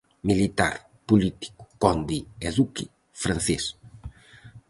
Militar, político, conde e duque francés.